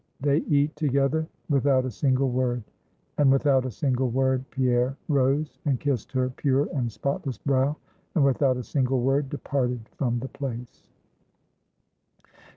They eat together without a single word; and without a single word, Pierre rose, and kissed her pure and spotless brow, and without a single word departed from the place.